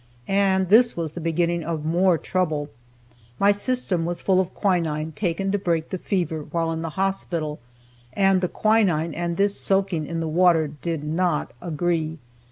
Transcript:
And this was the beginning of more trouble. My system was full of quinine taken to break the fever while in the hospital, and the quinine and this soaking in the water did not agree.